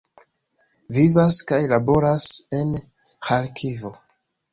Vivas kaj laboras en Ĥarkivo.